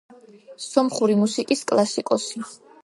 სომხური მუსიკის კლასიკოსი.